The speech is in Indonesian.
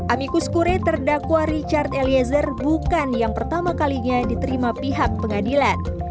amikus kure terdakwa richard eliezer bukan yang pertama kalinya diterima pihak pengadilan